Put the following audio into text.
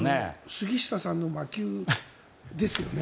杉下さんの魔球ですよね。